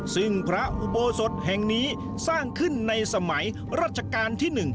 ซึ่งพระอุโบสถแห่งนี้สร้างขึ้นในสมัยรัชกาลที่๑